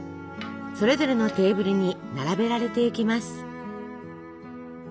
それぞれのテーブルに並べられていきます。